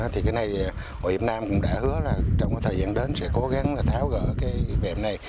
thì cái này hòa hiệp nam cũng đã hứa là trong thời gian đến sẽ cố gắng tháo gỡ vẹm này